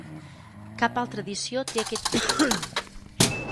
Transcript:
Cap altra edició té aquest títol.